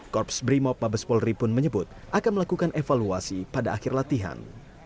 korps brimob mabes polri pun menyebut akan melakukan evaluasi pada akhir latihan